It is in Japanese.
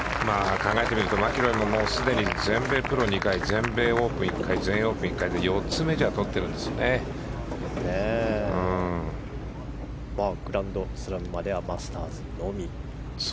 考えてみると、マキロイももうすでに全米プロ２回全米オープン１回全英オープン１回とグランドスラムまではマスターズのみ。